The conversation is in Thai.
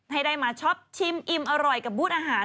ให้ได้มาช็อปชิมอิ่มอร่อยกับบูธอาหาร